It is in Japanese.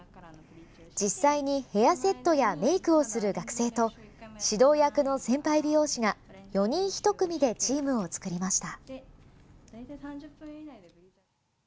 実際にヘアセットやメークをする学生と指導役の先輩美容師が４人一組でチームを作りました。